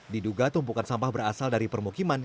diduga tumpukan sampah berasal dari permukiman